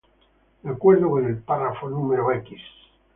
De acuerdo con el párrafo num.